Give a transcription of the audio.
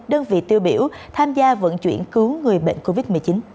đơn vị tiêu biểu tham gia vận chuyển cứu người bệnh covid một mươi chín